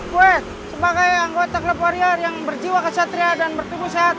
buat sebagai anggota klub warrior yang berjiwa kesatria dan bertumbuh sehat